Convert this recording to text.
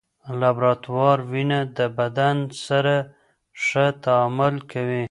لابراتوار وینه د بدن سره ښه تعامل کوي.